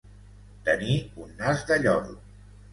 Tenir un nas de lloro.